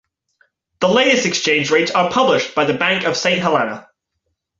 The latest exchange rates are published by the Bank of Saint Helena.